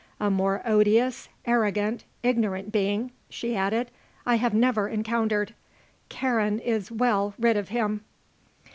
A more odious, arrogant, ignorant being," she added, "I have never encountered. Karen is well rid of him."